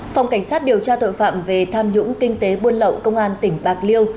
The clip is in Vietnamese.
phòng cảnh sát điều tra tội phạm về tham nhũng kinh tế buôn lậu công an tỉnh bạc liêu